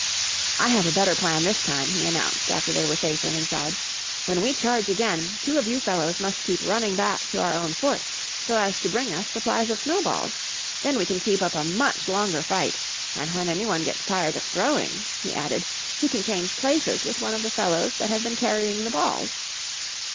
"I have a better plan this time," he announced after they were safely inside. "When we charge again, two of you fellows must keep running back to our own fort so as to bring us supplies of snowballs. Then we can keep up a much longer fight and when anyone gets tired throwing," he added, "he can change places with one of the fellows that have been carrying the balls."